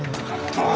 ああ。